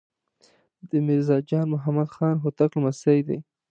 د میرزا جان محمد خان هوتک لمسی دی.